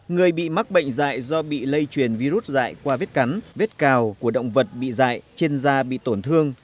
người bị mắc bệnh dạy do bị lây truyền virus dạy qua vết cắn vết cào của động vật bị dạy trên da bị tổn thương